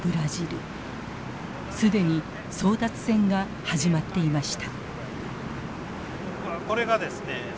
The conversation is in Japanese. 既に争奪戦が始まっていました。